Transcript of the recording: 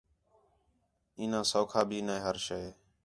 اِینا سَوکھا بھی نے ہر شے